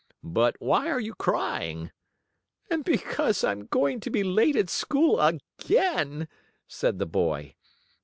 "But, why are you crying?" "Because I'm going to be late at school again," said the boy.